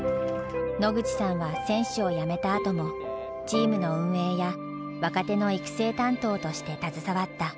野口さんは選手をやめたあともチームの運営や若手の育成担当として携わった。